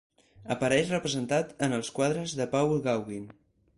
Apareix representat en els quadres de Paul Gauguin.